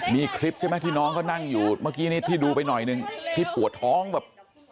มีคลิปใช่ไหมที่น้องเขานั่งอยู่เมื่อกี้นี้ที่ดูไปหน่อยหนึ่งที่ปวดท้องแบบ